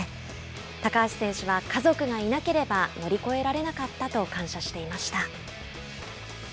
高橋選手は家族がいなければ乗り越えられなかったと感謝していました。